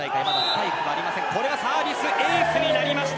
これはサービスエースになりました。